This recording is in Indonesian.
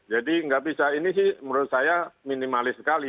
jadi nggak bisa ini sih menurut saya minimalis sekali